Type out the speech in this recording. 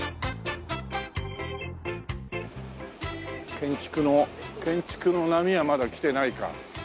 建築の建築の波はまだ来てないか。